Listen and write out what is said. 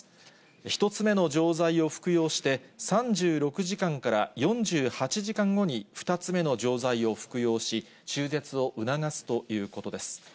１つ目の錠剤を服用して３６時間から４８時間後に２つ目の錠剤を服用し、中絶を促すということです。